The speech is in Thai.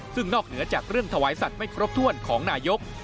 ซึ่งนอกเหนือจากเรื่องถวายสัตว์ไม่ครบถ้วนของนายก